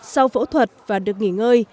sau phẫu thuật và được nghỉ ngơi